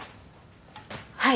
はい。